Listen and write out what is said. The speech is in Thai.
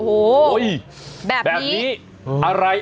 โอ้โฮแบบนี้